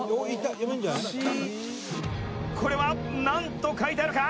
「これはなんと書いてあるか？」